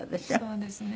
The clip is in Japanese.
そうですね。